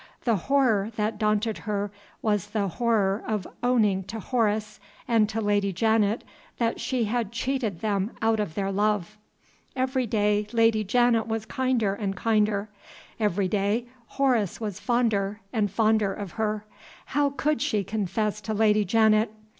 The horror that daunted her was the horror of owning to Horace and to Lady Janet that she had cheated them out of their love. Every day Lady Janet was kinder and kinder. Every day Horace was fonder and fonder of her. How could she confess to Lady Janet?